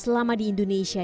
selama di indonesia